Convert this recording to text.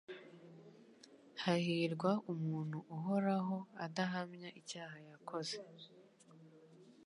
Hahirwa umuntu Uhoraho adahamya icyaha yakoze